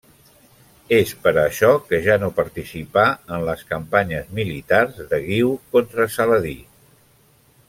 És per això que ja no participà en les campanyes militars de Guiu contra Saladí.